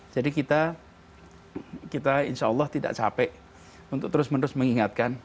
jadi kita kita insya allah tidak capek untuk terus menerus mengingatkan